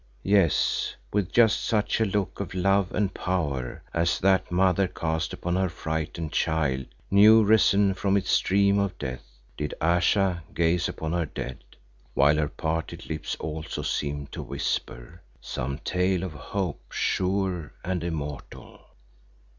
Yes, with just such a look of love and power as that mother cast upon her frightened child new risen from its dream of death, did Ayesha gaze upon her dead, while her parted lips also seemed to whisper "some tale of hope, sure and immortal."